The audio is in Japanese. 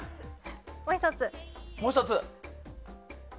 もう１つ。